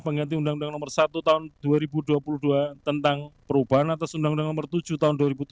pengganti undang undang nomor satu tahun dua ribu dua puluh dua tentang perubahan atas undang undang nomor tujuh tahun dua ribu tujuh belas